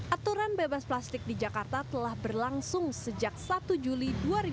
aturan bebas plastik di jakarta telah berlangsung sejak satu juli dua ribu dua puluh